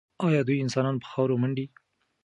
ایا دوی انسانان په خاورو منډي؟